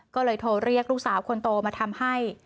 ก็เลยโทรเรียกลูกสาวคนโตมาทำให้